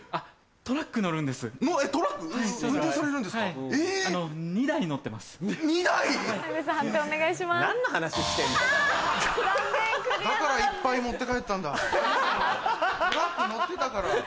トラック乗ってたから。